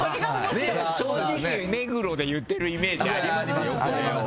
正直、目黒で言っているイメージありますよ、これ。